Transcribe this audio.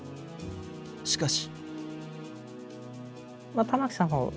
しかし。